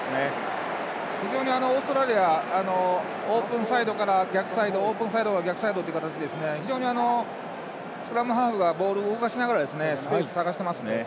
非常にオーストラリアオープンサイドから逆サイドという形で非常に、スクラムハーフがボールを動かしながらスペース探してますね。